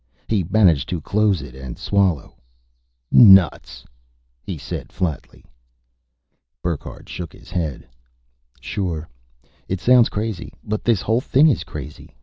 He managed to close it and swallow. "Nuts!" he said flatly. Burckhardt shook his head. "Sure, it sounds crazy but this whole thing is crazy.